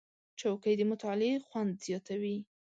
چوکۍ د مطالعې خوند زیاتوي.